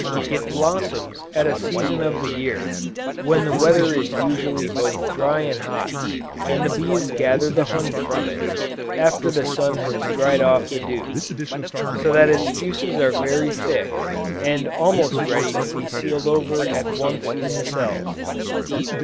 It blossoms at a season of the year when the weather is usually both dry and hot, and the bees gather the honey from it, after the sun has dried off the dew: so that its juices are very thick, and almost ready to be sealed over at once in the cells.